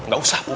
gak usah bu